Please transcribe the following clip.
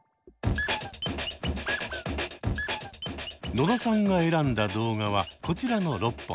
野田さんが選んだ動画はこちらの６本。